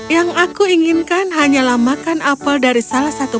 yang aku inginkan hanyalah makan apel dari salah satu